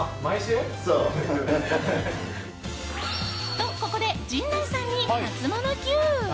と、ここで陣内さんにハツモノＱ。